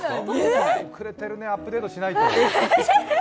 遅れてるね、アップデートしないと。